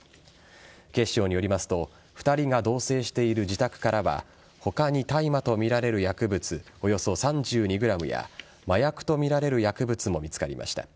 警視庁によりますと２人が同棲している自宅からは他に大麻とみられる薬物およそ３２ｇや麻薬とみられる薬物も見つかりました。